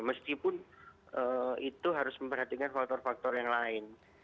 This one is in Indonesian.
meskipun itu harus memperhatikan faktor faktor yang lain